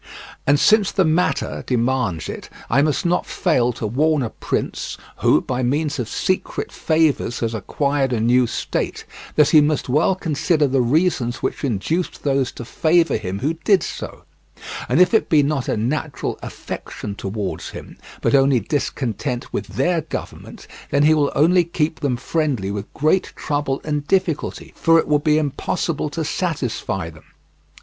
And since the matter demands it, I must not fail to warn a prince, who by means of secret favours has acquired a new state, that he must well consider the reasons which induced those to favour him who did so; and if it be not a natural affection towards him, but only discontent with their government, then he will only keep them friendly with great trouble and difficulty, for it will be impossible to satisfy them.